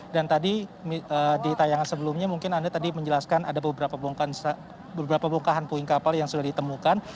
tadi di tayangan sebelumnya mungkin anda tadi menjelaskan ada beberapa bongkahan puing kapal yang sudah ditemukan